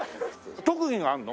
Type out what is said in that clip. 特技があるの？